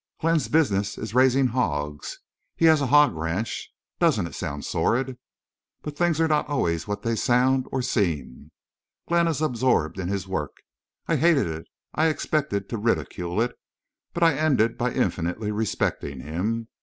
Glenn's business is raising hogs. He has a hog ranch. Doesn't it sound sordid? But things are not always what they sound—or seem. Glenn is absorbed in his work. I hated it—I expected to ridicule it. But I ended by infinitely respecting him.